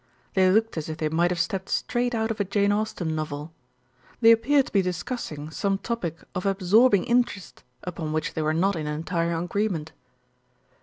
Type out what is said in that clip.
They looked as if they might have stepped straight out of a Jane Austen novel. They appeared to be discussing some topic of absorb ing interest upon which they were not in entire agree ment.